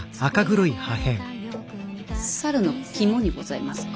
猿の肝にございますか。